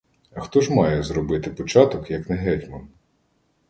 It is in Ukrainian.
А хто ж має зробити початок, як не гетьман?